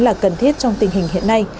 là cần thiết trong tình hình hiện nay